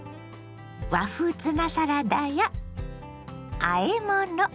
和風ツナサラダやあえ物。